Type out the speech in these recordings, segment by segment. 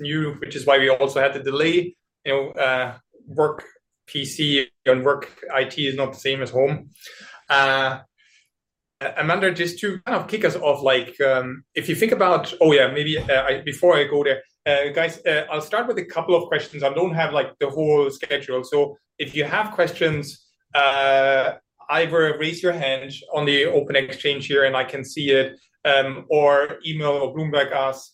This new, which is why we also had the delay. You know, work PC and work IT is not the same as home. Amanda, just to kind of kick us off, like, if you think about... Oh, yeah, maybe, before I go there, guys, I'll start with a couple of questions. I don't have, like, the whole schedule, so if you have questions, either raise your hand on the OpenExchange here and I can see it, or Email Bloomberg us.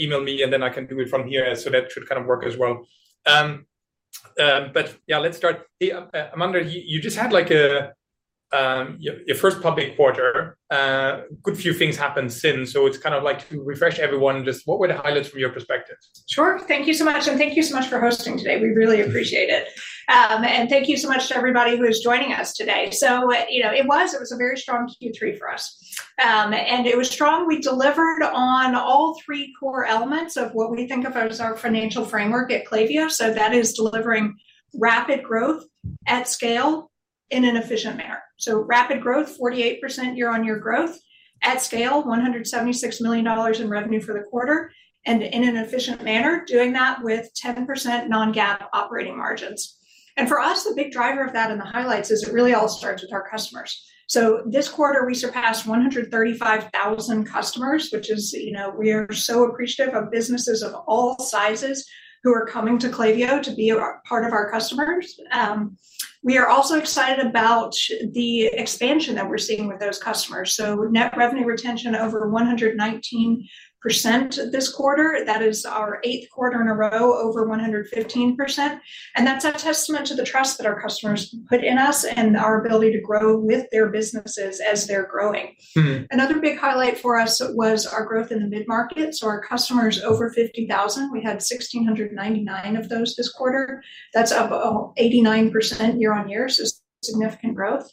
Email me, and then I can do it from here, so that should kind of work as well. But yeah, let's start. Amanda, you just had, like a, your first public quarter. A good few things happened since, so it's kind of like to refresh everyone, just what were the highlights from your perspective? Sure. Thank you so much, and thank you so much for hosting today. We really appreciate it. And thank you so much to everybody who is joining us today. So, you know, it was, it was a very strong Q3 for us. And it was strong. We delivered on all three core elements of what we think of as our financial framework at Klaviyo. So that is delivering rapid growth at scale in an efficient manner. So rapid growth, 48% year-on-year growth; at scale, $176 million in revenue for the quarter; and in an efficient manner, doing that with 10% non-GAAP operating margins. And for us, the big driver of that in the highlights is it really all starts with our customers. So this quarter, we surpassed 135,000 customers, which is, you know, we are so appreciative of businesses of all sizes who are coming to Klaviyo to be our, part of our customers. We are also excited about the expansion that we're seeing with those customers. Net revenue retention over 119% this quarter. That is our eighth quarter in a row over 115%, and that's a testament to the trust that our customers put in us and our ability to grow with their businesses as they're growing. Mm. Another big highlight for us was our growth in the mid-market, so our customers over 50,000. We had 1,699 of those this quarter. That's up 89% year-on-year, so significant growth.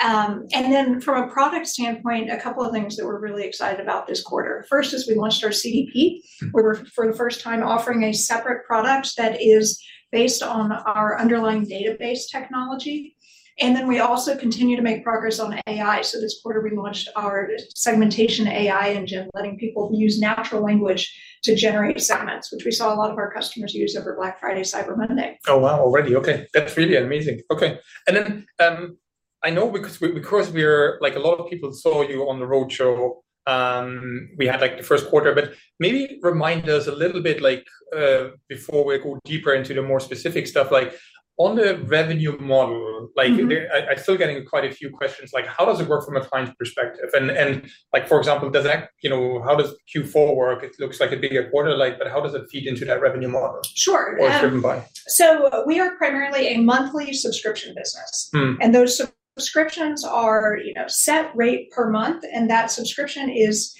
And then from a product standpoint, a couple of things that we're really excited about this quarter. First is we launched our CDP, where we're for the first time offering a separate product that is based on our underlying database technology, and then we also continue to make progress on AI. So this quarter, we launched our segmentation AI engine, letting people use natural language to generate segments, which we saw a lot of our customers use over Black Friday, Cyber Monday. Oh, wow, already. Okay, that's really amazing. Okay. Then, I know because we, because we're... Like, a lot of people saw you on the roadshow, we had, like, the Q1, but maybe remind us a little bit, like, before we go deeper into the more specific stuff, like, on the revenue model- Mm-hmm Like, I'm still getting quite a few questions, like, how does it work from a client's perspective? And, like, for example, does that, you know, how does Q4 work? It looks like a bigger quarter, like, but how does it feed into that revenue model? Sure, um- or driven by? We are primarily a monthly subscription business. Mm. Those subscriptions are, you know, set rate per month, and that subscription is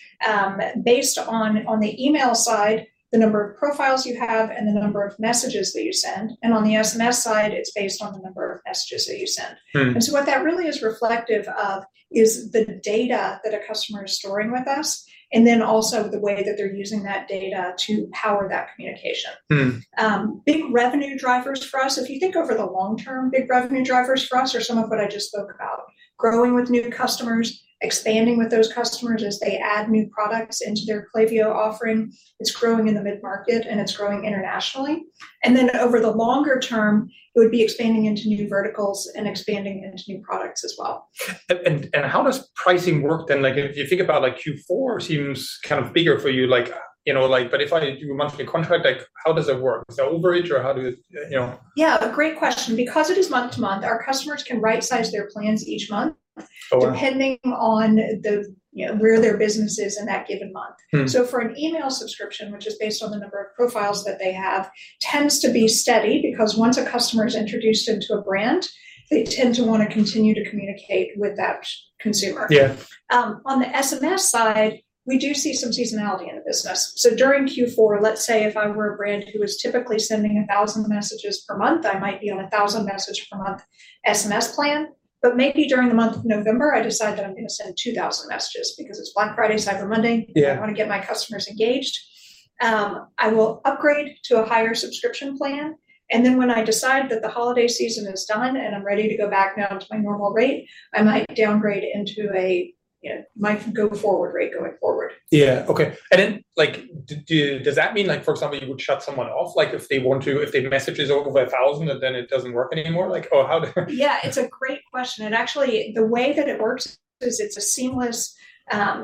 based on, on the email side, the number of profiles you have and the number of messages that you send, and on the SMS side, it's based on the number of messages that you send. Mm. What that really is reflective of is the data that a customer is storing with us and then also the way that they're using that data to power that communication. Mm. Big revenue drivers for us, if you think over the long term, big revenue drivers for us are some of what I just spoke about. Growing with new customers, expanding with those customers as they add new products into their Klaviyo offering. It's growing in the mid-market, and it's growing internationally. And then over the longer term, it would be expanding into new verticals and expanding into new products as well. And how does pricing work then? Like, if you think about, like, Q4 seems kind of bigger for you, like, you know, like, but if I do a monthly contract, like, how does it work? So overage or how do you... You know? Yeah, a great question. Because it is month-to-month, our customers can right-size their plans each month- Oh, wow... Depending on the, you know, where their business is in that given month. Mm. For an email subscription, which is based on the number of profiles that they have, tends to be steady because once a customer is introduced into a brand, they tend to wanna continue to communicate with that consumer. Yeah. On the SMS side, we do see some seasonality in the business. So during Q4, let's say if I were a brand who was typically sending 1,000 messages per month, I might be on a 1,000 message per month SMS plan. But maybe during the month of November, I decide that I'm gonna send 2,000 messages because it's Black Friday, Cyber Monday- Yeah... I wanna get my customers engaged. I will upgrade to a higher subscription plan, and then when I decide that the holiday season is done and I'm ready to go back down to my normal rate, I might downgrade into a, you know, my go-forward rate going forward. Yeah. Okay, and then, like, does that mean, like, for example, you would shut someone off, like, if they want to, if their messages are over 1,000, and then it doesn't work anymore? Like, or how does it... Yeah, it's a great question, and actually, the way that it works is it's a seamless,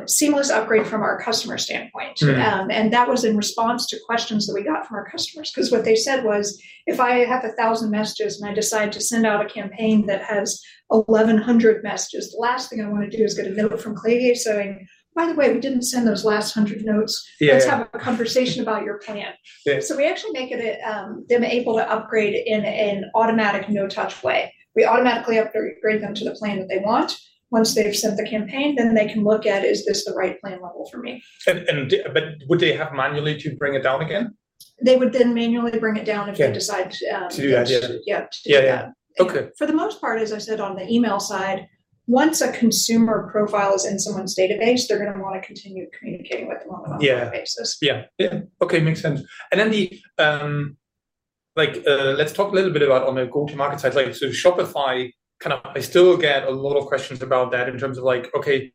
seamless upgrade from our customer standpoint. Mm. And that was in response to questions that we got from our customers. 'Cause what they said was, "If I have 1,000 messages and I decide to send out a campaign that has 1,100 messages, the last thing I wanna do is get a note from Klaviyo saying, 'By the way, we didn't send those last 100 notes.' Yeah. Let's have a conversation about your plan. Yeah. So we're actually making them able to upgrade in an automatic, no-touch way. We automatically upgrade them to the plan that they want. Once they've sent the campaign, then they can look at, "Is this the right plan level for me? But would they have to manually bring it down again? They would then manually bring it down- Yeah... If they decide, to- To do that, yeah. Yeah, to do that. Yeah, yeah. Okay. For the most part, as I said, on the email side, once a consumer profile is in someone's database, they're gonna wanna continue communicating with them- Yeah... on a monthly basis. Yeah, yeah. Okay, makes sense. And then the, like, let's talk a little bit about on the go-to-market side. Like, so Shopify, kind of, I still get a lot of questions about that in terms of like, okay,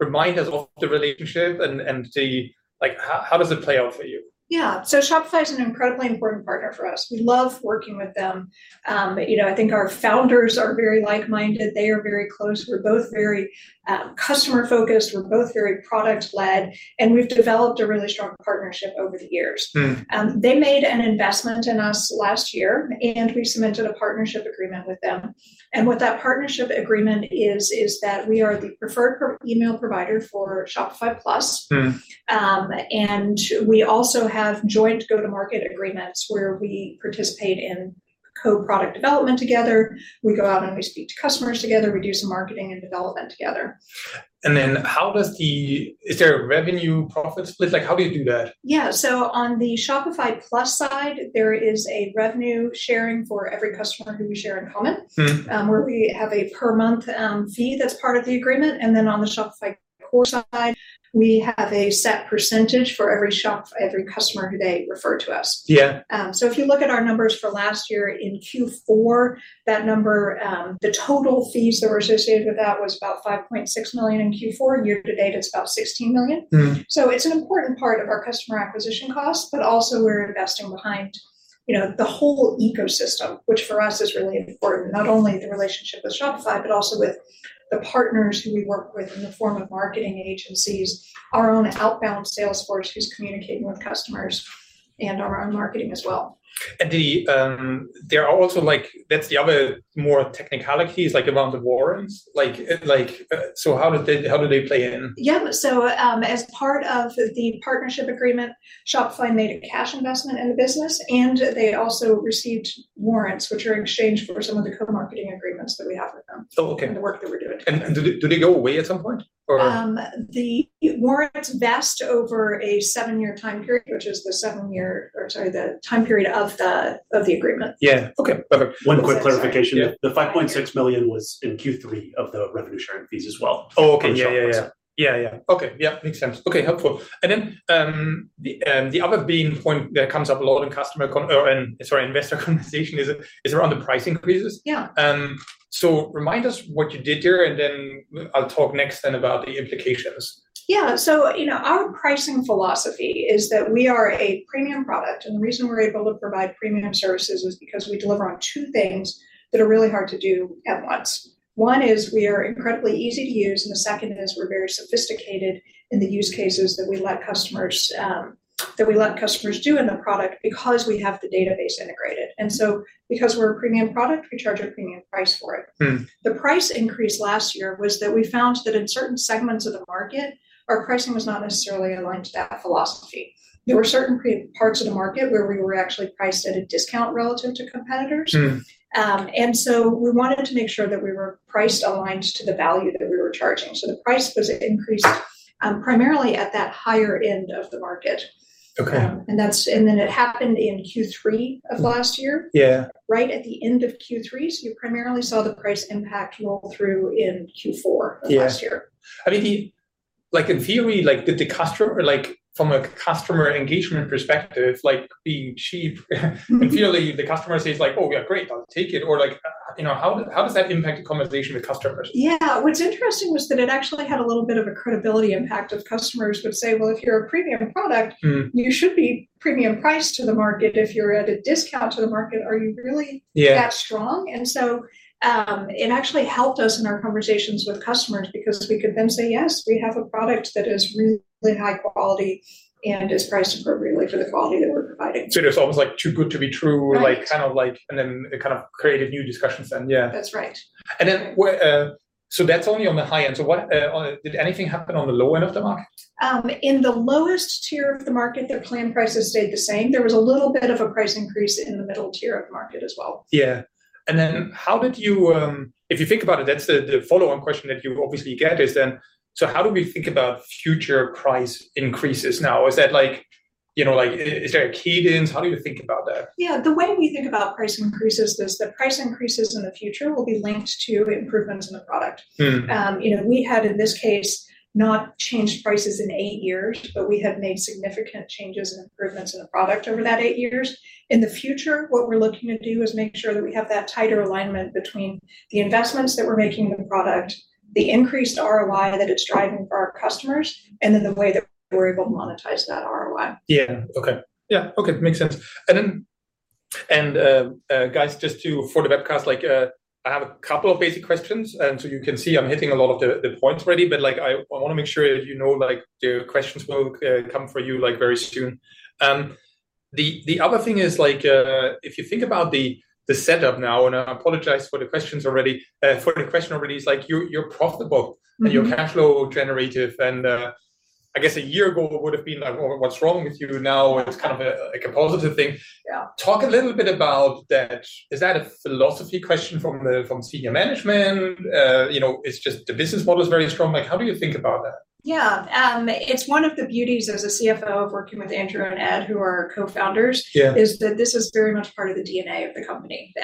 remind us of the relationship and, and the, like, how does it play out for you? Yeah. Shopify is an incredibly important partner for us. We love working with them. But, you know, I think our founders are very like-minded. They are very close. We're both very customer-focused, we're both very product-led, and we've developed a really strong partnership over the years. Mm. They made an investment in us last year, and we cemented a partnership agreement with them. And what that partnership agreement is, is that we are the preferred email provider for Shopify Plus. Mm. We also have joint go-to-market agreements, where we participate in co-product development together. We go out and we speak to customers together, we do some marketing and development together. And then how does the... Is there a revenue profit split? Like, how do you do that? Yeah. So on the Shopify Plus side, there is a revenue sharing for every customer who we share in common- Mm. where we have a per month fee that's part of the agreement. And then on the Shopify Core side, we have a set percentage for every customer who they refer to us. Yeah. So if you look at our numbers for last year in Q4, that number, the total fees that were associated with that was about $5.6 million in Q4. Year to date, it's about $16 million. Mm. So it's an important part of our customer acquisition cost, but also we're investing behind, you know, the whole ecosystem, which for us is really important. Not only the relationship with Shopify, but also with the partners who we work with in the form of marketing agencies, our own outbound sales force, who's communicating with customers, and our own marketing as well. And the, there are also like... That's the other more technicalities, like around the warrants. Like, so how did they- how do they play in? Yeah. So, as part of the partnership agreement, Shopify made a cash investment in the business, and they also received warrants, which are in exchange for some of the co-marketing agreements that we have with them- Oh, okay... and the work that we're doing. Do they, do they go away at some point, or? The warrants vest over a seven-year time period, which is the seven-year... or sorry, the time period of the agreement. Yeah. Okay, perfect. One quick clarification. Yeah. The $5.6 million was in Q3 of the revenue sharing fees as well. Oh, okay. Yeah, yeah, yeah from Shopify. Yeah, yeah. Okay, yeah, makes sense. Okay, helpful. And then, the the other big point that comes up a lot in customer con- or, sorry, investor conversation is around the price increases. Yeah. So, remind us what you did there, and then I'll talk next then about the implications. Yeah. So, you know, our pricing philosophy is that we are a premium product, and the reason we're able to provide premium services is because we deliver on two things that are really hard to do at once. One is we are incredibly easy to use, and the second is we're very sophisticated in the use cases that we let customers do in the product because we have the database integrated. And so because we're a premium product, we charge a premium price for it. Mm. The price increase last year was that we found that in certain segments of the market, our pricing was not necessarily aligned to that philosophy. Mm. There were certain parts of the market where we were actually priced at a discount relative to competitors. Mm. We wanted to make sure that we were price aligned to the value that we were charging. So the price was increased, primarily at that higher end of the market. Okay. And then it happened in Q3 of last year. Yeah. Right at the end of Q3, so you primarily saw the price impact roll through in Q4- Yeah of last year. I mean, like, in theory, like, did the customer, like, from a customer engagement perspective, like, being cheap - Mm-hmm... in theory, the customer says like: "Oh, yeah, great, I'll take it." Or like, you know, how does that impact the conversation with customers? Yeah. What's interesting was that it actually had a little bit of a credibility impact of customers would say: "Well, if you're a premium product- Mm You should be premium priced to the market. If you're at a discount to the market, are you really? Yeah -that strong?" And so, it actually helped us in our conversations with customers because we could then say, "Yes, we have a product that is really high quality and is priced appropriately for the quality that we're providing. There's almost like too good to be true- Right... or like, kind of like, and then it kind of created new discussions then. Yeah. That's right. So that's only on the high end. So what did anything happen on the low end of the market? In the lowest tier of the market, the plan prices stayed the same. There was a little bit of a price increase in the middle tier of the market as well. Yeah. And then how did you, If you think about it, that's the follow-on question that you obviously get is then: so how do we think about future price increases now? Is that like, you know, like, is there a key to this? How do you think about that? Yeah. The way we think about price increases is the price increases in the future will be linked to improvements in the product. Mm. You know, we had, in this case, not changed prices in eight years, but we have made significant changes and improvements in the product over that eight years. In the future, what we're looking to do is make sure that we have that tighter alignment between the investments that we're making in the product, the increased ROI that it's driving for our customers, and then the way that we're able to monetize that ROI. Yeah. Okay. Yeah, okay, makes sense. And then, guys, just for the webcast, like, I have a couple of basic questions. And so you can see I'm hitting a lot of the points already, but, like, I wanna make sure that you know, like, the questions will come for you, like, very soon. The other thing is, like, if you think about the setup now, and I apologize for the questions already, for the question already. Is like you're profitable- Mm-hmm... and you're cash flow generative. And, I guess a year ago, it would've been like, "Well, what's wrong with you?" Now it's kind of a, like, a positive thing. Yeah. Talk a little bit about that. Is that a philosophy question from the, from senior management? You know, it's just the business model is very strong. Like, how do you think about that? Yeah. It's one of the beauties as a CFO of working with Andrew and Ed, who are our co-founders. Yeah... is that this is very much part of the DNA of the company.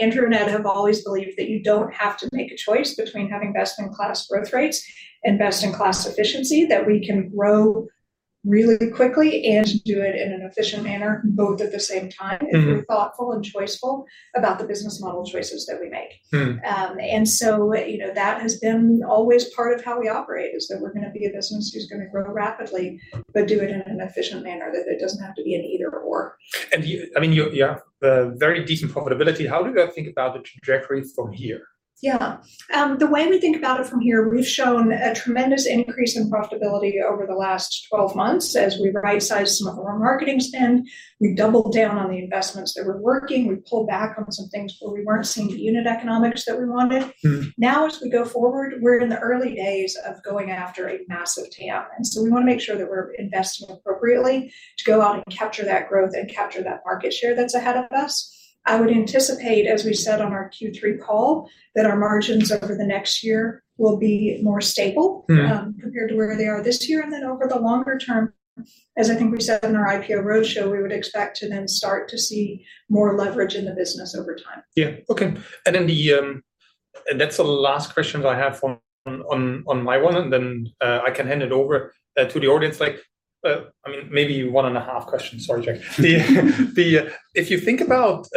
Andrew and Ed have always believed that you don't have to make a choice between having best-in-class growth rates and best-in-class efficiency, that we can grow really quickly and do it in an efficient manner, both at the same time. Mm-hmm. If we're thoughtful and choiceful about the business model choices that we make. Hmm. And so, you know, that has been always part of how we operate, is that we're gonna be a business who's gonna grow rapidly, but do it in an efficient manner, that it doesn't have to be an either/or. You, I mean, you have a very decent profitability. How do you guys think about the trajectory from here? Yeah. The way we think about it from here, we've shown a tremendous increase in profitability over the last 12 months. As we right-sized some of our marketing spend, we doubled down on the investments that were working. We pulled back on some things where we weren't seeing the unit economics that we wanted. Hmm. Now, as we go forward, we're in the early days of going after a massive TAM, and so we wanna make sure that we're investing appropriately to go out and capture that growth and capture that market share that's ahead of us. I would anticipate, as we said on our Q3 call, that our margins over the next year will be more stable- Hmm... compared to where they are this year. And then over the longer term, as I think we said in our IPO roadshow, we would expect to then start to see more leverage in the business over time. Yeah. Okay, and then the... And that's the last question that I have on my one, and then I can hand it over to the audience. Like, I mean, maybe one and a half questions. Sorry, Jane. The, if you think about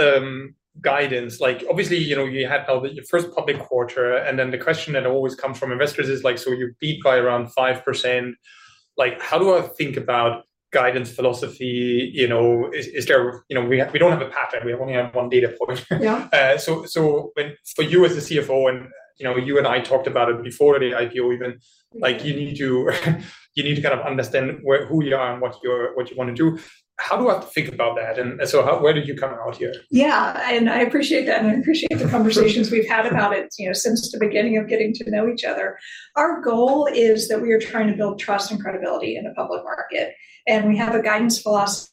guidance, like obviously, you know, you had now the your first public quarter, and then the question that always comes from investors is like: So you beat by around 5%. Like, how do I think about guidance philosophy, you know? Is there... You know, we have- we don't have a pattern. We only have one data point. Yeah. So when, for you as the CFO, and, you know, you and I talked about it before the IPO even- Mm-hmm... like, you need to, you need to kind of understand where, who you are and what you're, what you wanna do. How do I think about that, and so how, where did you come out here? Yeah, and I appreciate that, and I appreciate the conversations we've had about it, you know, since the beginning of getting to know each other. Our goal is that we are trying to build trust and credibility in the public market, and we have a guidance philosophy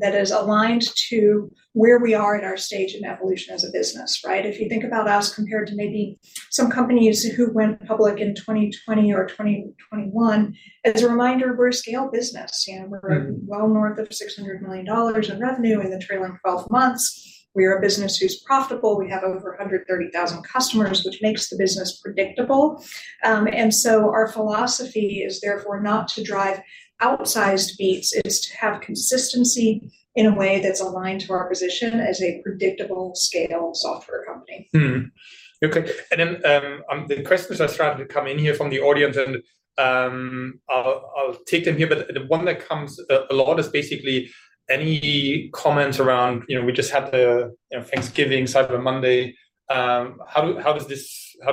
that is aligned to where we are in our stage in evolution as a business, right? If you think about us compared to maybe some companies who went public in 2020 or 2021, as a reminder, we're a scale business. Mm-hmm. You know, we're well north of $600 million in revenue in the trailing 12 months. We are a business who's profitable. We have over 130,000 customers, which makes the business predictable. And so our philosophy is therefore not to drive outsized beats. It is to have consistency in a way that's aligned to our position as a predictable scale software company. Mm-hmm. Okay, and then, the questions are starting to come in here from the audience, and, I'll take them here. But the one that comes up a lot is basically any comments around, you know, we just had the, you know, Thanksgiving, Cyber Monday. How do we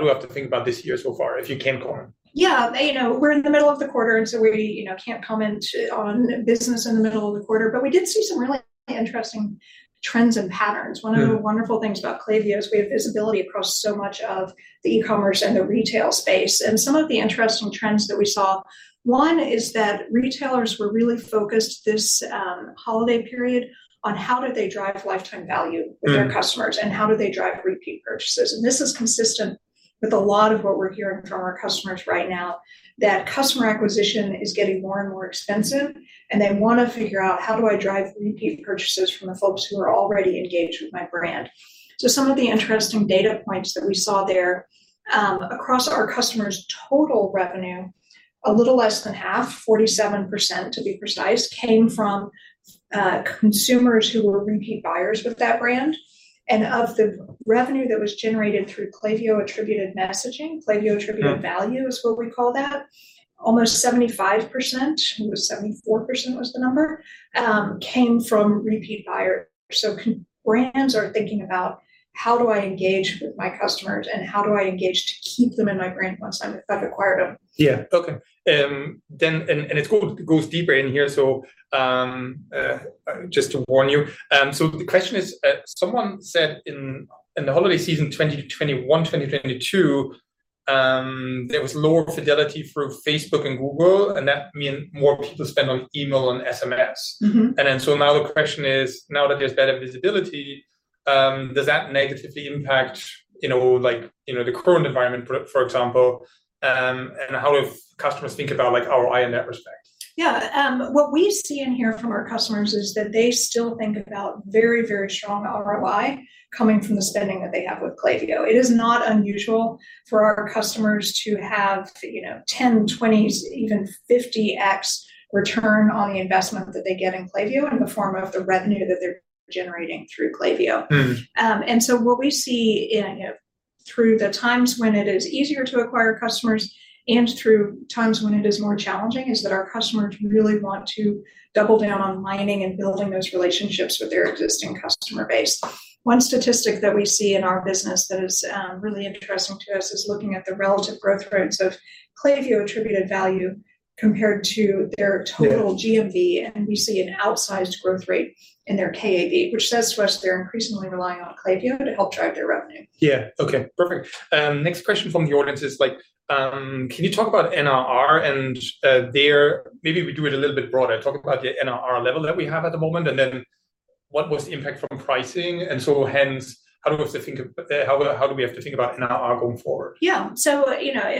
have to think about this year so far, if you can comment? Yeah. You know, we're in the middle of the quarter, and so we, you know, can't comment on business in the middle of the quarter. But we did see some really interesting trends and patterns. Mm. One of the wonderful things about Klaviyo is we have visibility across so much of the e-commerce and the retail space, and some of the interesting trends that we saw, one is that retailers were really focused this holiday period on how do they drive lifetime value- Mm... with their customers, and how do they drive repeat purchases? And this is consistent with a lot of what we're hearing from our customers right now, that customer acquisition is getting more and more expensive, and they wanna figure out, how do I drive repeat purchases from the folks who are already engaged with my brand? So some of the interesting data points that we saw there, across our customers' total revenue, a little less than half, 47% to be precise, came from, consumers who were repeat buyers with that brand. And of the revenue that was generated through Klaviyo-attributed messaging, Klaviyo-attributed- Mm... value is what we call that, almost 75%, it was 74% was the number, came from repeat buyers. So consumer brands are thinking about: How do I engage with my customers, and how do I engage to keep them in my brand once I've acquired them? Yeah. Okay, then it goes deeper in here, so just to warn you. So the question is, someone said in the holiday season, 2021, 2022, there was lower Fidelity through Facebook and Google, and that meant more people spend on email and SMS. Mm-hmm. Now the question is, now that there's better visibility, does that negatively impact, you know, like, you know, the current environment, for example? And how do customers think about, like, ROI in that respect? Yeah, what we see and hear from our customers is that they still think about very, very strong ROI coming from the spending that they have with Klaviyo. It is not unusual for our customers to have, you know, 10, 20, even 50x return on the investment that they get in Klaviyo in the form of the revenue that they're generating through Klaviyo. Mm. and so what we see in, you know, through the times when it is easier to acquire customers and through times when it is more challenging, is that our customers really want to double down on mining and building those relationships with their existing customer base. One statistic that we see in our business that is, really interesting to us is looking at the relative growth rates of Klaviyo-attributed value compared to their total- Mm... GMV, and we see an outsized growth rate in their KAV, which says to us they're increasingly relying on Klaviyo to help drive their revenue. Yeah. Okay, perfect. Next question from the audience is, like: Can you talk about NRR, and maybe we do it a little bit broader. Talk about the NRR level that we have at the moment, and then what was the impact from pricing? And so hence, how do we have to think of but how, how do we have to think about NRR going forward? Yeah. So, you know,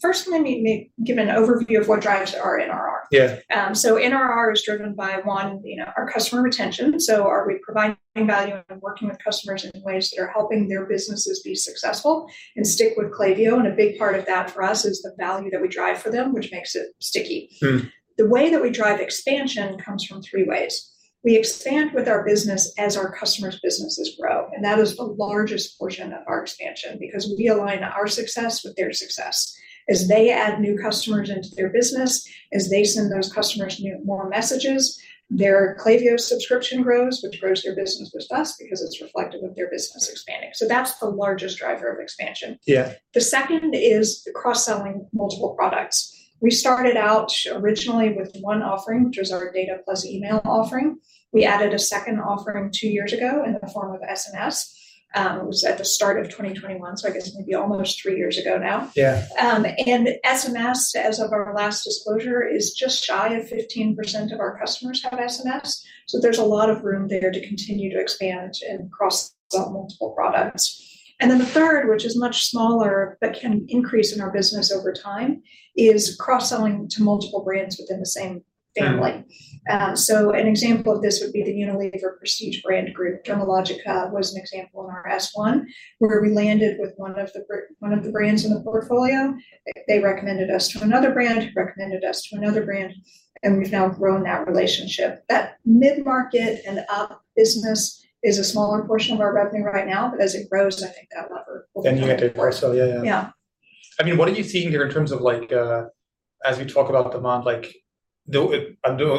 first let me give an overview of what drives our NRR. Yeah. NRR is driven by, one, you know, our customer retention. Are we providing value and working with customers in ways that are helping their businesses be successful and stick with Klaviyo? A big part of that for us is the value that we drive for them, which makes it sticky. Mm. The way that we drive expansion comes from three ways. We expand with our business as our customers' businesses grow, and that is the largest portion of our expansion, because we align our success with their success. As they add new customers into their business, as they send those customers new, more messages, their Klaviyo subscription grows, which grows their business with us because it's reflective of their business expanding. So that's the largest driver of expansion. Yeah. The second is the cross-selling multiple products. We started out originally with one offering, which was our data plus email offering. We added a second offering two years ago in the form of SMS. It was at the start of 2021, so I guess maybe almost three years ago now. Yeah. And SMS, as of our last disclosure, is just shy of 15% of our customers have SMS. So there's a lot of room there to continue to expand and cross-sell multiple products. And then the third, which is much smaller but can increase in our business over time, is cross-selling to multiple brands within the same family. Yeah. So an example of this would be the Unilever Prestige Brand Group. Dermalogica was an example in our S-1, where we landed with one of the brands in the portfolio. They, they recommended us to another brand, who recommended us to another brand, and we've now grown that relationship. That mid-market and up business is a smaller portion of our revenue right now, but as it grows, I think that lever will become- Then you get the price. So yeah, yeah. Yeah. I mean, what are you seeing there in terms of like, as we talk about demand, like, do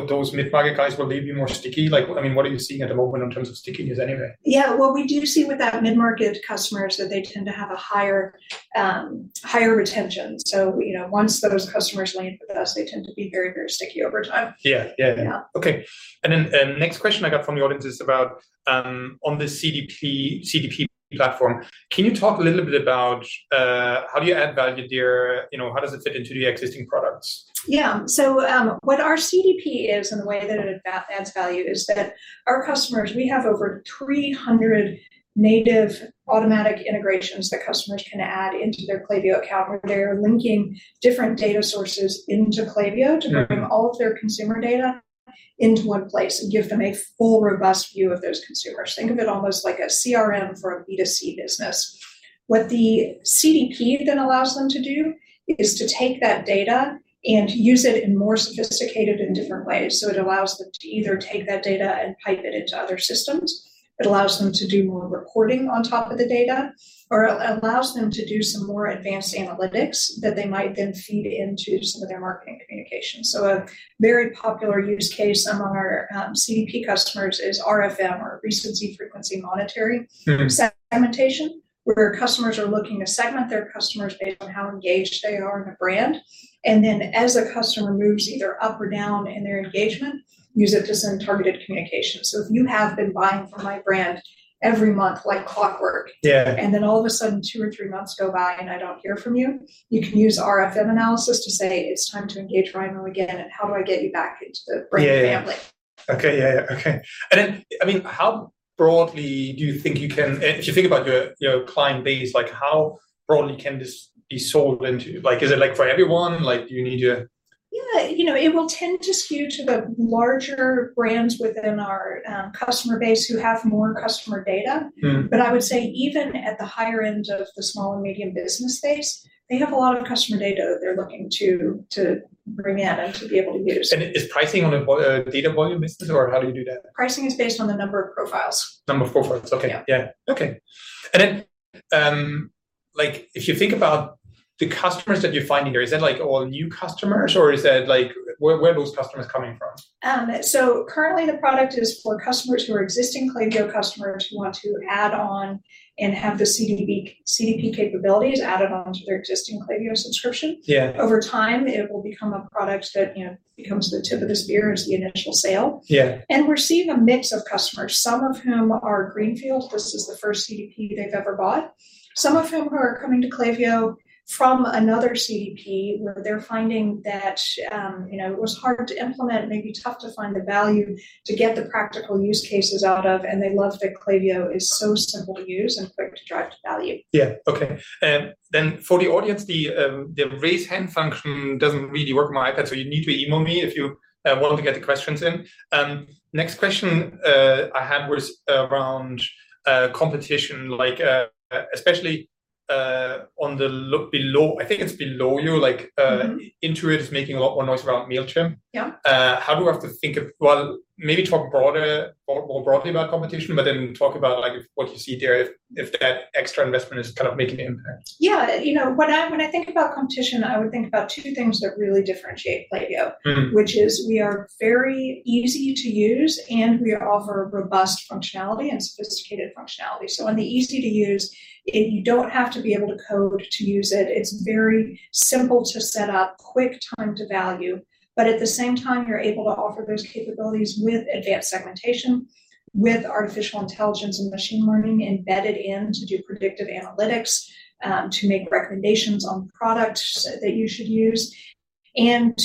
those mid-market guys will they be more sticky? Like, I mean, what are you seeing at the moment in terms of stickiness anyway? Yeah, what we do see with that mid-market customer is that they tend to have a higher, higher retention. So, you know, once those customers land with us, they tend to be very, very sticky over time. Yeah. Yeah, yeah. Yeah. Okay. And then next question I got from the audience is about on the CDP, CDP platform, can you talk a little bit about how do you add value there? You know, how does it fit into the existing products? Yeah. So, what our CDP is and the way that it adds value is that our customers, we have over 300 native automatic integrations that customers can add into their Klaviyo account, where they're linking different data sources into Klaviyo- Mm-hmm... to bring all of their consumer data into one place and give them a full, robust view of those consumers. Think of it almost like a CRM for a B2C business. What the CDP then allows them to do is to take that data and use it in more sophisticated and different ways. So it allows them to either take that data and pipe it into other systems. It allows them to do more reporting on top of the data, or allows them to do some more advanced analytics that they might then feed into some of their marketing communications. So a very popular use case among our CDP customers is RFM, or recency, frequency, monetary- Mm-hmm... segmentation, where customers are looking to segment their customers based on how engaged they are in the brand, and then as a customer moves either up or down in their engagement, use it to send targeted communication. So if you have been buying from my brand every month like clockwork- Yeah... and then all of a sudden, two or three months go by and I don't hear from you, you can use RFM analysis to say, "It's time to engage Raimo again, and how do I get you back into the brand family? Yeah, yeah. Okay, yeah, yeah. Okay. And then, I mean, how broadly do you think you can... If you think about your client base, like, how broadly can this be sold into? Like, is it, like, for everyone? Like, do you need to- Yeah, you know, it will tend to skew to the larger brands within our, customer base who have more customer data. Mm. I would say even at the higher end of the small and medium business space, they have a lot of customer data that they're looking to bring in and to be able to use. Is pricing on a data volume basis, or how do you do that? Pricing is based on the number of profiles. Number of profiles. Yeah. Okay, yeah. Okay. And then, like, if you think about the customers that you're finding here, is that, like, all new customers, or is that, like... Where, where are those customers coming from? Currently the product is for customers who are existing Klaviyo customers who want to add on and have the CDP, CDP capabilities added on to their existing Klaviyo subscription. Yeah. Over time, it will become a product that, you know, becomes the tip of the spear as the initial sale. Yeah. And we're seeing a mix of customers, some of whom are greenfield. This is the first CDP they've ever bought. Some of whom are coming to Klaviyo from another CDP, where they're finding that, you know, it was hard to implement and maybe tough to find the value to get the practical use cases out of, and they love that Klaviyo is so simple to use and quick to drive to value. Yeah. Okay. Then for the audience, the raise hand function doesn't really work on my iPad, so you need to email me if you want to get the questions in. Next question I had was around competition, like, especially on the look below—I think it's below you. Like, Mm-hmm... Intuit is making a lot more noise around Mailchimp. Yeah. Well, maybe talk broader, or broadly, about competition, but then talk about, like, what you see there, if that extra investment is kind of making an impact. Yeah. You know, when I, when I think about competition, I would think about two things that really differentiate Klaviyo- Mm... which is we are very easy to use, and we offer robust functionality and sophisticated functionality. So on the easy to use, you don't have to be able to code to use it. It's very simple to set up, quick time to value. But at the same time, you're able to offer those capabilities with advanced segmentation, with artificial intelligence and machine learning embedded in to do predictive analytics, to make recommendations on products that you should use... and,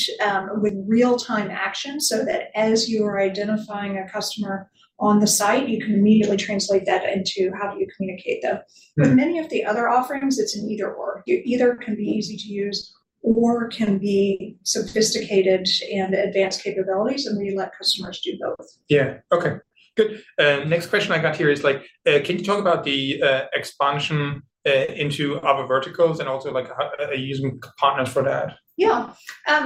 with real-time action, so that as you are identifying a customer on the site, you can immediately translate that into how do you communicate that? Mm. With many of the other offerings, it's an either/or. It either can be easy to use or can be sophisticated and advanced capabilities, and we let customers do both. Yeah. Okay, good. Next question I got here is, like, can you talk about the expansion into other verticals, and also, like, using partners for that? Yeah.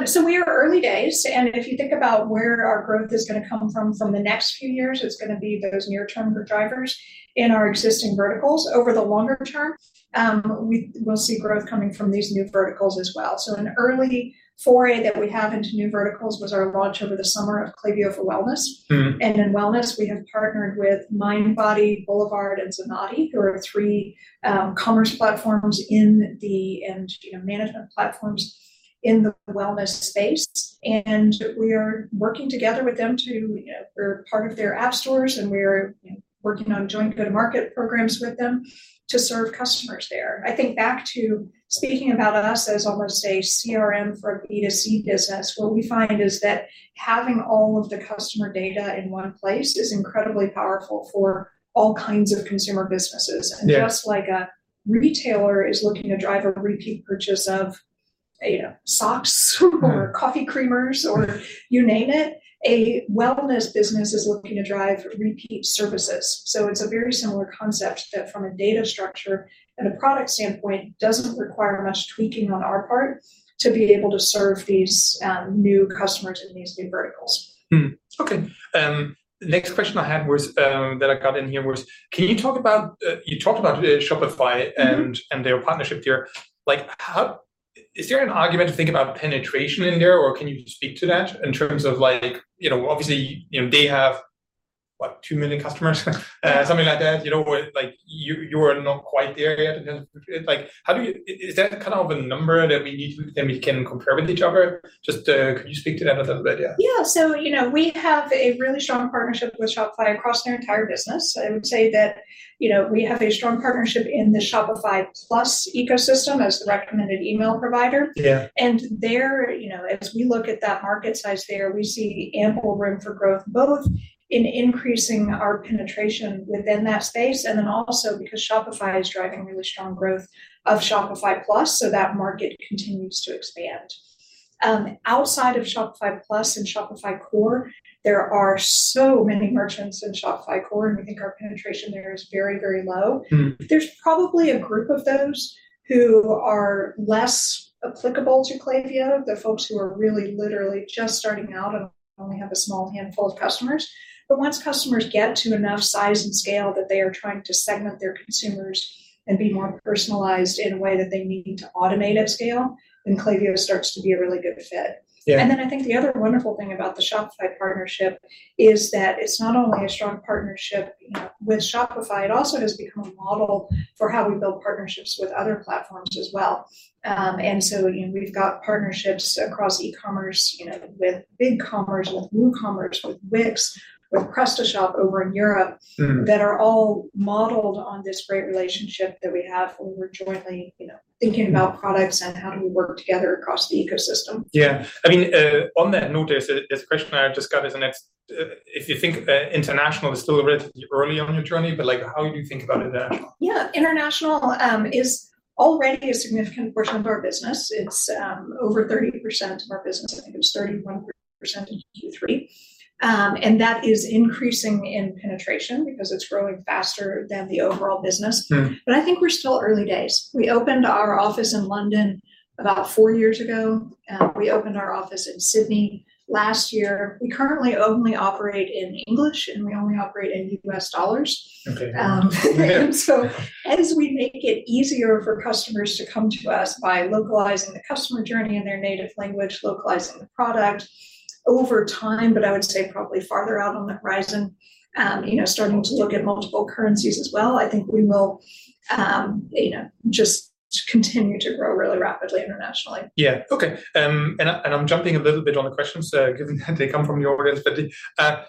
So we are early days, and if you think about where our growth is gonna come from the next few years, it's gonna be those near-term drivers in our existing verticals. Over the longer term, we'll see growth coming from these new verticals as well. So an early foray that we have into new verticals was our launch over the summer of Klaviyo for Wellness. Mm. In wellness, we have partnered with Mindbody, Boulevard, and Zenoti, who are three commerce platforms and, you know, management platforms in the wellness space. And we are working together with them to, you know, we're part of their app stores, and we are working on joint go-to-market programs with them to serve customers there. I think back to speaking about us as almost a CRM for B2C business, what we find is that having all of the customer data in one place is incredibly powerful for all kinds of consumer businesses. Yeah. Just like a retailer is looking to drive a repeat purchase of, you know, socks- Mm. -or coffee creamers or you name it, a wellness business is looking to drive repeat services. So it's a very similar concept that from a data structure and a product standpoint, doesn't require much tweaking on our part to be able to serve these, new customers in these new verticals. Mm. Okay. The next question I had was, that I got in here was, can you talk about... You talked about, Shopify- Mm-hmm... and their partnership here. Like, how is there an argument to think about penetration in there, or can you just speak to that in terms of, like, you know, obviously, you know, they have, what, two million customers? Mm. Something like that. You know, where, like you, you are not quite there yet. And then, like, how do you... is that kind of a number that we need to that we can compare with each other? Just, could you speak to that a little bit, yeah? Yeah. So, you know, we have a really strong partnership with Shopify across their entire business. I would say that, you know, we have a strong partnership in the Shopify Plus ecosystem as the recommended email provider. Yeah. And there, you know, as we look at that market size there, we see ample room for growth, both in increasing our penetration within that space, and then also because Shopify is driving really strong growth of Shopify Plus, so that market continues to expand. Outside of Shopify Plus and Shopify Core, there are so many merchants in Shopify Core, and we think our penetration there is very, very low. Mm. There's probably a group of those who are less applicable to Klaviyo, the folks who are really literally just starting out and only have a small handful of customers. But once customers get to enough size and scale that they are trying to segment their consumers and be more personalized in a way that they need to automate at scale, then Klaviyo starts to be a really good fit. Yeah. And then I think the other wonderful thing about the Shopify partnership is that it's not only a strong partnership, you know, with Shopify, it also has become a model for how we build partnerships with other platforms as well. And so, you know, we've got partnerships across e-commerce, you know, with BigCommerce, with WooCommerce, with Wix, with PrestaShop over in Europe- Mm... that are all modeled on this great relationship that we have, where we're jointly, you know, thinking about products- Mm... and how do we work together across the ecosystem? Yeah. I mean, on that note, there's a question I just got, is the next... If you think international is still a bit early on your journey, but, like, how do you think about it now? Yeah. International is already a significant portion of our business. It's over 30% of our business. I think it was 31% in Q3. And that is increasing in penetration because it's growing faster than the overall business. Mm. But I think we're still early days. We opened our office in London about four years ago, and we opened our office in Sydney last year. We currently only operate in English, and we only operate in U.S. dollars. Okay. And so as we make it easier for customers to come to us by localizing the customer journey in their native language, localizing the product over time, but I would say probably farther out on the horizon, you know, starting to look at multiple currencies as well, I think we will, you know, just continue to grow really rapidly internationally. Yeah. Okay. And I'm jumping a little bit on the questions, given that they come from the audience. But,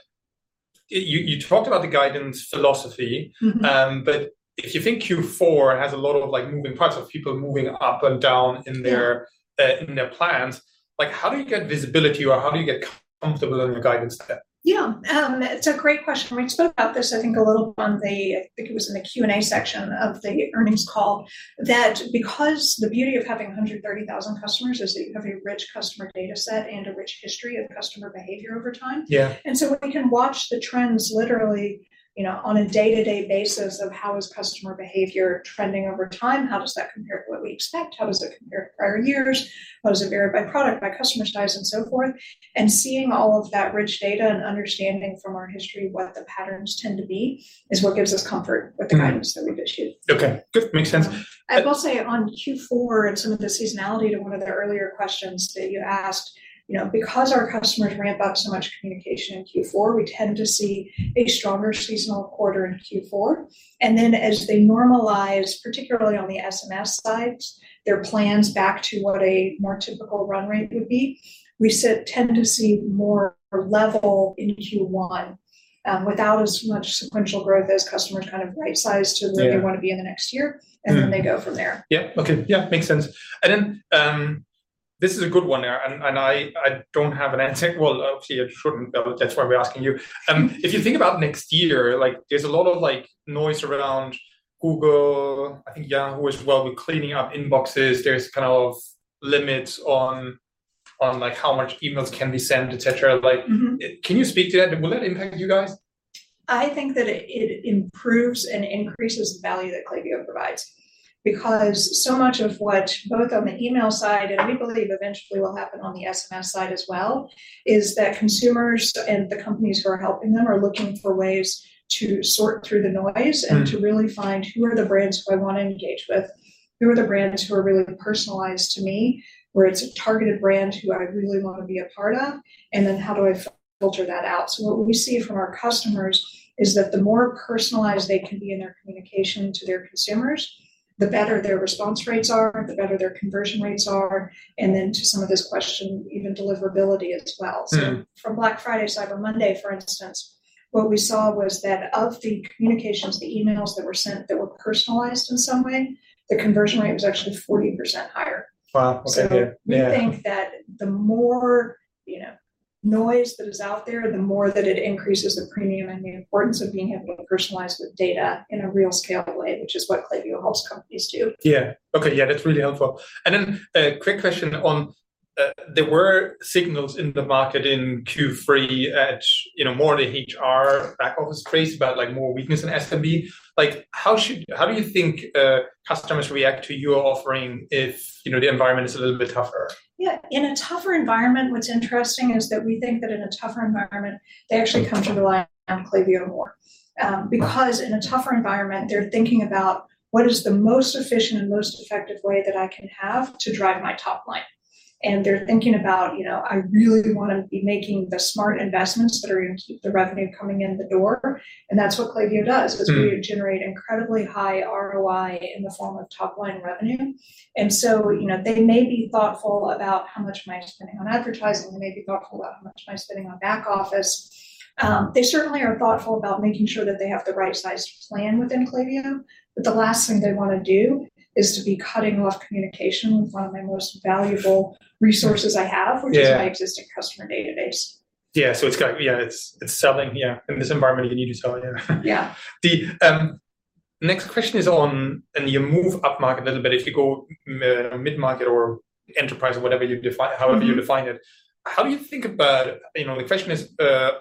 you talked about the guidance philosophy. Mm-hmm. But if you think Q4 has a lot of, like, moving parts of people moving up and down in their- Yeah... in their plans, like, how do you get visibility, or how do you get comfortable in the guidance then? Yeah. It's a great question. We spoke about this, I think, a little on the... I think it was in the Q&A section of the earnings call, that because the beauty of having 130,000 customers is that you have a rich customer data set and a rich history of customer behavior over time. Yeah. And so we can watch the trends literally, you know, on a day-to-day basis of how is customer behavior trending over time? How does that compare to what we expect? How does it compare to prior years? How does it vary by product, by customer size, and so forth? And seeing all of that rich data and understanding from our history what the patterns tend to be is what gives us comfort- Mm... with the guidance that we've issued. Okay, good. Makes sense. I will say on Q4 and some of the seasonality to one of the earlier questions that you asked, you know, because our customers ramp up so much communication in Q4, we tend to see a stronger seasonal quarter in Q4. And then as they normalize, particularly on the SMS side, their plans back to what a more typical run rate would be—we said tend to see more level in Q1, without as much sequential growth as customers kind of right size to- Yeah where they wanna be in the next year, Mm-hmm. Then they go from there. Yeah, okay. Yeah, makes sense. And then, this is a good one here, and I don't have an answer. Well, obviously, I shouldn't, but that's why we're asking you. If you think about next year, like there's a lot of like noise around Google, I think Yahoo as well, with cleaning up inboxes. There's kind of limits on like how much emails can be sent, et cetera. Like- Mm-hmm... can you speak to that? And will that impact you guys? I think that it, it improves and increases the value that Klaviyo provides, because so much of what, both on the email side, and we believe eventually will happen on the SMS side as well, is that consumers and the companies who are helping them are looking for ways to sort through the noise- Mm... and to really find who are the brands who I wanna engage with? Who are the brands who are really personalized to me, where it's a targeted brand who I really wanna be a part of, and then how do I filter that out? So what we see from our customers is that the more personalized they can be in their communication to their consumers, the better their response rates are, the better their conversion rates are, and then to some of this question, even deliverability as well. Mm. From Black Friday, Cyber Monday, for instance, what we saw was that of the communications, the emails that were sent, that were personalized in some way, the conversion rate was actually 40% higher. Wow! Okay, yeah. We think that the more, you know, noise that is out there, the more that it increases the premium and the importance of being able to personalize with data in a real scalable way, which is what Klaviyo helps companies do. Yeah. Okay, yeah, that's really helpful. And then, a quick question on, there were signals in the market in Q3 at, you know, more the HR back office space, but like more weakness in SMB. Like, how do you think, customers react to your offering if, you know, the environment is a little bit tougher? Yeah. In a tougher environment, what's interesting is that we think that in a tougher environment, they actually come to rely on Klaviyo more. Wow... because in a tougher environment, they're thinking about: What is the most efficient and most effective way that I can have to drive my top line? And they're thinking about, you know, "I really wanna be making the smart investments that are gonna keep the revenue coming in the door," and that's what Klaviyo does- Mm... ’cause we generate incredibly high ROI in the form of top-line revenue. And so, you know, they may be thoughtful about, "How much am I spending on advertising?" They may be thoughtful about, "How much am I spending on back office?" They certainly are thoughtful about making sure that they have the right sized plan within Klaviyo, but the last thing they wanna do is to be cutting off communication with one of my most valuable resources I have- Yeah... which is my existing customer database. Yeah, so it's got... Yeah, it's selling, yeah. In this environment, you need to sell, yeah. Yeah. The next question is on and you move upmarket a little bit. If you go, mid-market or enterprise or whatever you define- Mm-hmm... however you define it, how do you think about... You know, the question is,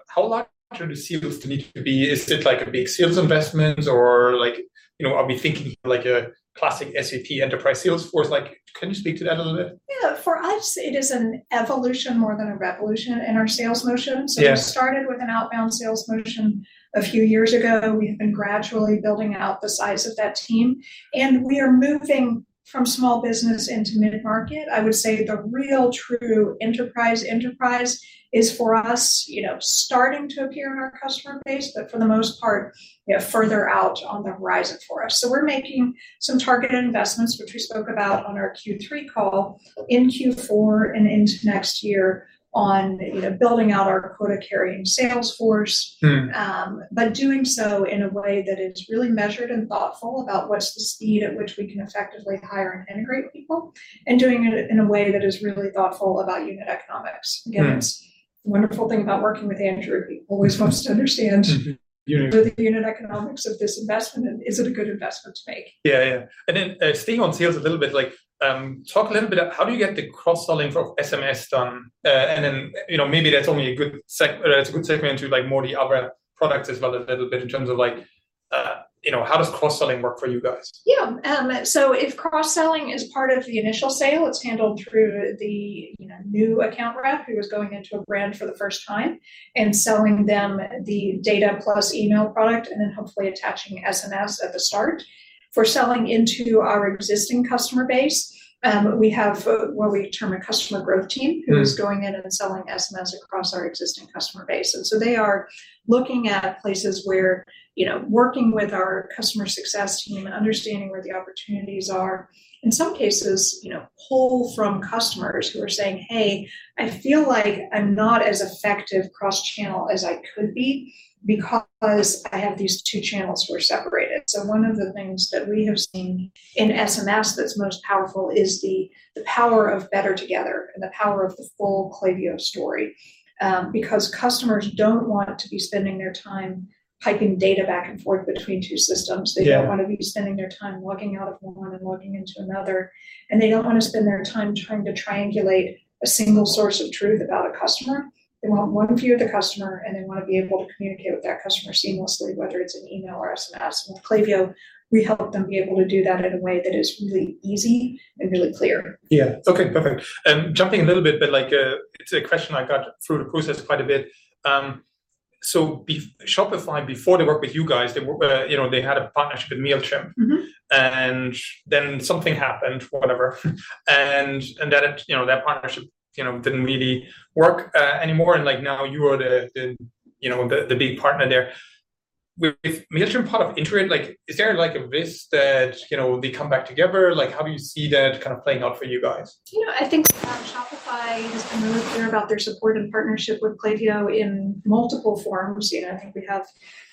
how large are the sales to need to be? Is it like a big sales investment or like, you know, are we thinking like a classic SAP enterprise sales force? Like, can you speak to that a little bit? Yeah. For us, it is an evolution more than a revolution in our sales motion. Yeah. So we started with an outbound sales motion a few years ago. We've been gradually building out the size of that team, and we are moving from small business into mid-market. I would say the real true enterprise, enterprise is for us, you know, starting to appear in our customer base, but for the most part, you know, further out on the horizon for us. So we're making some targeted investments, which we spoke about on our Q3 call, in Q4 and into next year, on, you know, building out our quota-carrying sales force. Mm. But doing so in a way that is really measured and thoughtful about what's the speed at which we can effectively hire and integrate people, and doing it in a way that is really thoughtful about unit economics. Mm. Again, it's the wonderful thing about working with Andrew. He always wants to understand- Mm-hmm, unit... the unit economics of this investment, and is it a good investment to make? Yeah, yeah. And then, staying on sales a little bit, like, talk a little bit about how do you get the cross-selling from SMS done? And then, you know, that's a good segment into like more the other products as well, a little bit in terms of like, you know, how does cross-selling work for you guys? Yeah. So if cross-selling is part of the initial sale, it's handled through the, you know, new account rep who is going into a brand for the first time and selling them the data plus email product, and then hopefully attaching SMS at the start. For selling into our existing customer base, we have, what we term a customer growth team- Mm... who is going in and selling SMS across our existing customer base. And so they are looking at places where, you know, working with our customer success team, understanding where the opportunities are. In some cases, you know, pull from customers who are saying, "Hey, I feel like I'm not as effective cross-channel as I could be, because I have these two channels who are separated." So one of the things that we have seen in SMS that's most powerful is the power of better together and the power of the full Klaviyo story. Because customers don't want to be spending their time piping data back and forth between two systems. Yeah. They don't wanna be spending their time logging out of one and logging into another, and they don't wanna spend their time trying to triangulate a single source of truth about a customer. They want one view of the customer, and they wanna be able to communicate with that customer seamlessly, whether it's an email or SMS. With Klaviyo, we help them be able to do that in a way that is really easy and really clear. Yeah. Okay, perfect. And jumping a little bit, but like, it's a question I got through the process quite a bit. So Shopify, before they worked with you guys, they were, you know, they had a partnership with Mailchimp. Mm-hmm. And then something happened, whatever, and that, you know, that partnership, you know, didn't really work anymore. And like now you are the, you know, the big partner there. With Meta, parent of Instagram, like is there a risk that, you know, they come back together? Like, how do you see that kind of playing out for you guys? You know, I think Shopify has been really clear about their support and partnership with Klaviyo in multiple forms. You know, I think we have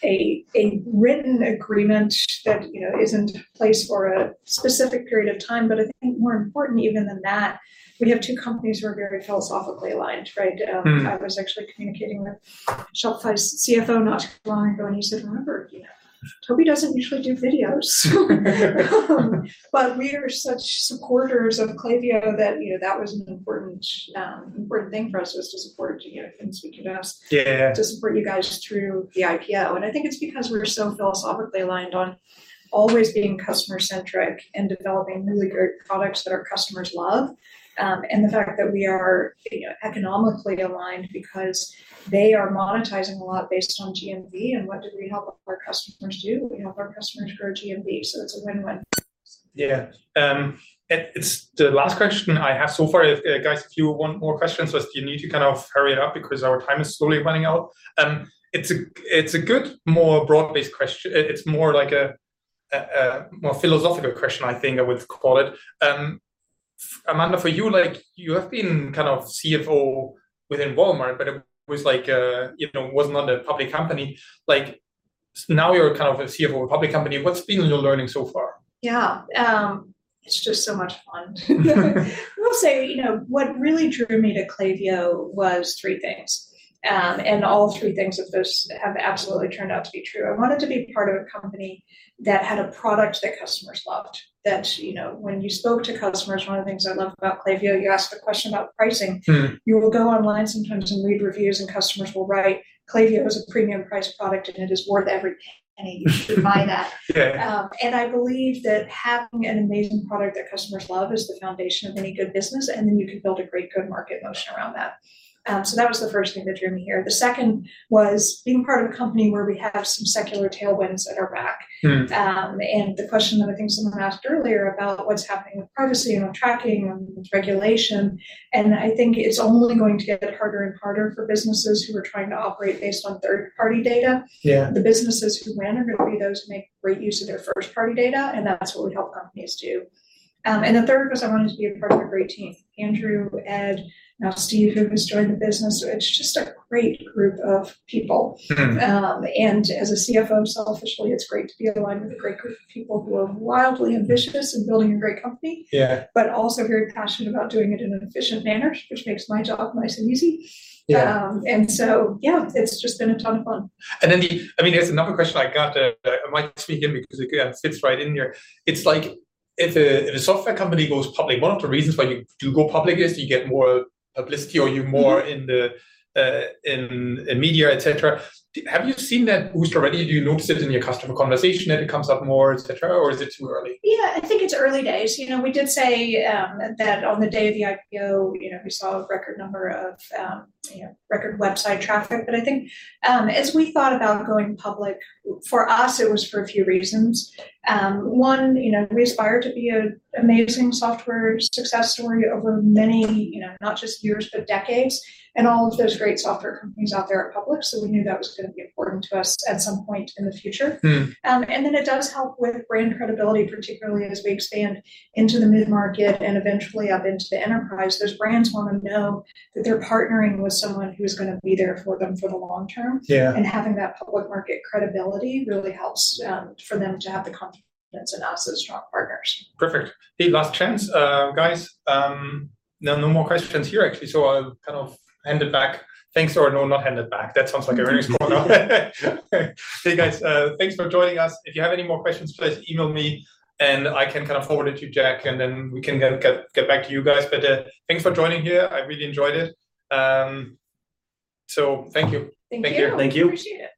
a written agreement that, you know, is in place for a specific period of time. But I think more important even than that, we have two companies who are very philosophically aligned, right? Mm. I was actually communicating with Shopify's CFO not too long ago, and he said, "Remember, you know, Tobi doesn't usually do videos." But we are such supporters of Klaviyo that, you know, that was an important, important thing for us, was to support you. I think we could ask- Yeah... to support you guys through the IPO. I think it's because we're so philosophically aligned on always being customer-centric and developing really great products that our customers love. And the fact that we are, you know, economically aligned because they are monetizing a lot based on GMV. What do we help our customers do? We help our customers grow GMV, so it's a win-win. Yeah. It's the last question I have so far. If guys, if you want more questions, so you need to kind of hurry it up because our time is slowly running out. It's a good, more broad-based question. It's more like a more philosophical question, I think I would call it. Amanda, for you, like, you have been kind of CFO within Walmart, but it was like, you know, was not a public company. Like, now you're kind of a CFO of a public company. What's been your learning so far? Yeah. It's just so much fun. I will say, you know, what really drew me to Klaviyo was three things, and all three things of those have absolutely turned out to be true. I wanted to be part of a company that had a product that customers loved, that, you know, when you spoke to customers, one of the things I love about Klaviyo, you asked a question about pricing- Mm. You will go online sometimes and read reviews, and customers will write, "Klaviyo is a premium price product, and it is worth every penny." "You should buy that. Yeah. I believe that having an amazing product that customers love is the foundation of any good business, and then you can build a go-to-market motion around that. That was the first thing that drew me here. The second was being part of a company where we have some secular tailwinds at our back. Mm. The question that I think someone asked earlier about what's happening with privacy and with tracking and with regulation, and I think it's only going to get harder and harder for businesses who are trying to operate based on third-party data. Yeah. The businesses who win are gonna be those who make great use of their first-party data, and that's what we help companies do. And the third was I wanted to be a part of a great team. Andrew, Ed, now Steve, who has joined the business, it's just a great group of people. Mm-hmm. As a CFO, selfishly, it's great to be aligned with a great group of people who are wildly ambitious in building a great company- Yeah... but also very passionate about doing it in an efficient manner, which makes my job nice and easy. Yeah. And so, yeah, it's just been a ton of fun. And then, I mean, there's another question I got that I might squeeze in because it, yeah, fits right in here. It's like, if a, if a software company goes public, one of the reasons why you do go public is you get more publicity, or you're more- Mm-hmm... in the, in media, et cetera. Have you seen that boost already? Do you notice it in your customer conversation, that it comes up more, et cetera, or is it too early? Yeah, I think it's early days. You know, we did say that on the day of the IPO, you know, we saw a record number of, you know, record website traffic. But I think, as we thought about going public, for us, it was for a few reasons. One, you know, we aspire to be an amazing software success story over many, you know, not just years, but decades, and all of those great software companies out there are public, so we knew that was gonna be important to us at some point in the future. Mm. And then it does help with brand credibility, particularly as we expand into the mid-market and eventually up into the enterprise. Those brands wanna know that they're partnering with someone who's gonna be there for them for the long term. Yeah. Having that public market credibility really helps for them to have the confidence in us as strong partners. Perfect. The last chance, guys, no more questions here, actually, so I'll kind of hand it back. Thanks. Or no, not hand it back. That sounds like a very small Yeah. Hey, guys, thanks for joining us. If you have any more questions, please email me, and I can kind of forward it to Jack, and then we can get back to you guys. But, thanks for joining here. I really enjoyed it. So thank you. Thank you. Thank you. Appreciate it.